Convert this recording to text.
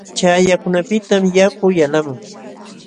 Chaqyakunapiqtam yaku yalqamun.